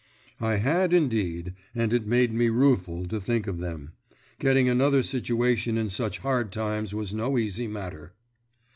I had indeed, and it made me rueful to think of them. Getting another situation in such hard times was no easy matter.